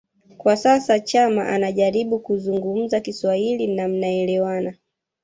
kwa sasa Chama anajaribu kuzungumza Kiswahili na mnaelewana